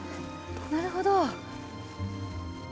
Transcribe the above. なるほど。